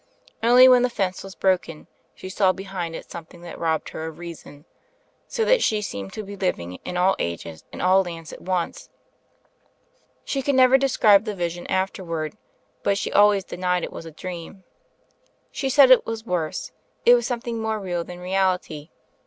Only, when the fence was broken, she saw behind it something that robbed her of reason; so that she seemed to be living in all ages and all lands at once. She never could describe the vision afterward; but she always denied it was a dream. She said it was worse; it was something more real than reality.